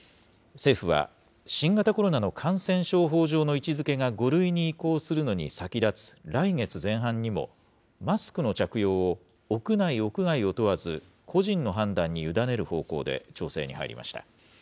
政府は新型コロナの感染症法上の位置づけが５類に移行するのに先立つ来月前半にも、マスクの着用を屋内・屋外を問わず、個人の判断に委ねる方向で調整に入りました。